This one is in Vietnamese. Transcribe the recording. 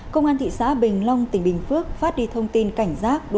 công an thị xã bình long tỉnh bình phước phát đi thông tin cảnh dịch vaccine dịch vụ